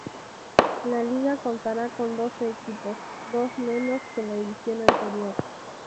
La liga contará con doce equipos; dos menos que la edición anterior.